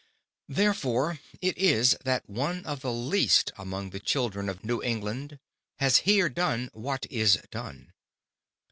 THEREFORE it is, that One of the Least among the Children of New England, has here done, what is done.